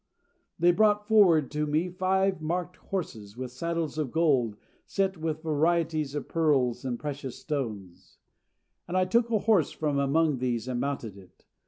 They brought forward to me five marked horses, with saddles of gold, set with varieties of pearls and precious stones; and I took a horse from among these and mounted it.